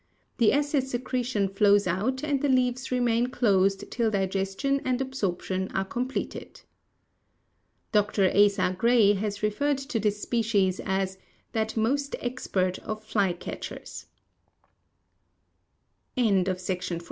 The acid secretion flows out and the leaves remain closed till digestion and absorption are completed. Dr. Asa Gray has referred to this species as "that most expert of fly catchers." TREES AND ELOQUENCE.